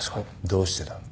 どうしてだ？